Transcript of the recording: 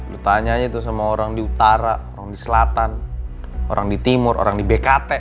lu tanya aja tuh sama orang di utara orang di selatan orang di timur orang di bkt